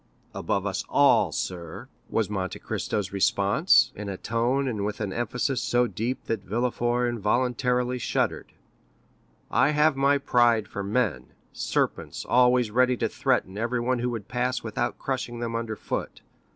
'" 30029m "Above us all, sir," was Monte Cristo's response, in a tone and with an emphasis so deep that Villefort involuntarily shuddered. "I have my pride for men—serpents always ready to threaten everyone who would pass without crushing them under foot.